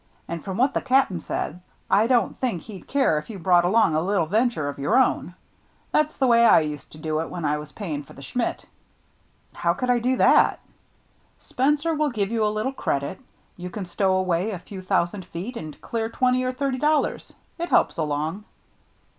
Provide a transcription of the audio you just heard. And from what the Cap'n said, I don't think he'd care if you brought along a little venture of your own. That's the way I used to do, when I was paying for the Schmidt.*' 46 THE MERRT JNNE "How could I do that?" " Spencer will give you a little credit. You can stow away a few thousand feet, and clear twenty or thirty dollars. It helps along."